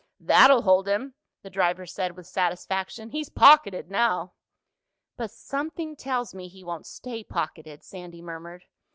"That'll hold him," the driver said with satisfaction. "He's pocketed now!" "But something tells me he won't stay pocketed," Sandy murmured.